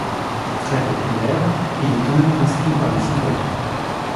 Très populaire, il est quand même inscrit par les citoyens.